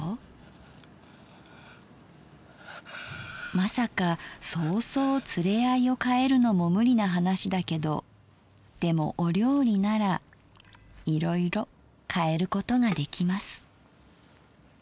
まさかそうそう連れ合いをかえるのも無理な話だけどでもお料理ならいろいろ変えることができます」。